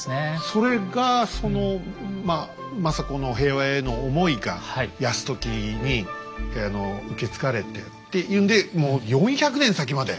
それが政子の平和への思いが泰時に受け継がれてっていうんでもう４００年先まで。